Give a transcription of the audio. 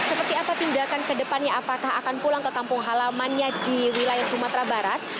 apakah mereka akan pindahkan ke depannya apakah akan pulang ke kampung halamannya di wilayah sumatera barat